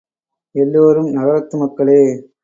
எல்லோரும் நகரத்து மக்களே.